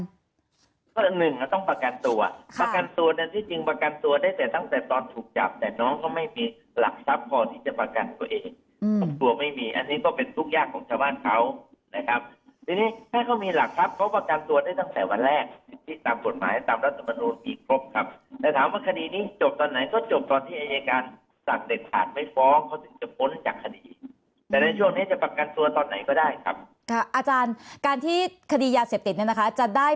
ก็หนึ่งอะต้องประกันตัวประกันตัวเนี่ยที่จริงประกันตัวได้แต่ตั้งแต่ตอนถูกจับแต่น้องเขาไม่มีหลักทรัพย์พอที่จะประกันตัวเองประกันตัวไม่มีอันนี้ก็เป็นทุกอย่างของชาวบ้านเขานะครับทีนี้ถ้าเขามีหลักทรัพย์เขาประกันตัวได้ตั้งแต่วันแรกที่ตามบทหมายตามรัฐบาลโนมีครบครับแต่ถามว่าคดีนี้จบตอน